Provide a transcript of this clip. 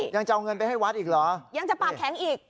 ยังจะเอาเงินไปให้วัดอีกเหรอยังจะปากแข็งอีก